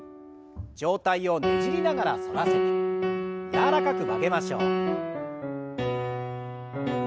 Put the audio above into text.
上体をねじりながら反らせて柔らかく曲げましょう。